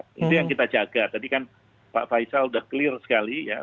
itu yang kita jaga tadi kan pak faisal sudah clear sekali ya